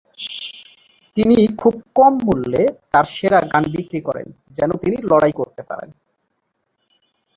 তিনি খুব কম মূল্যে তার সেরা গান বিক্রি করেন যেন তিনি লড়াই করতে পারেন।